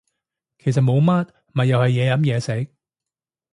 其實冇乜咪又係嘢飲嘢食